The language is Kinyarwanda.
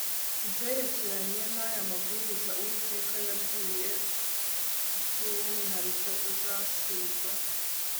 ku byerekeranye n'aya mabwirizwa, uwiteka yabwiye by'umwihariko uzasigwa